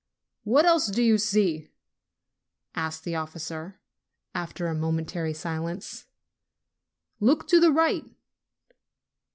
'What else do you see?" asked the officer, after a momentary silence. "Look to the right."